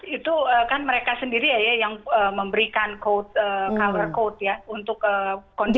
itu kan mereka sendiri ya yang memberikan cover code ya untuk kondisi